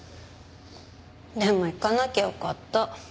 でも行かなきゃよかった。